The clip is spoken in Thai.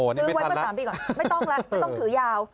ซื้อไว้เมื่อ๓ปีก่อนไม่ต้องแล้วไม่ต้องถือยาว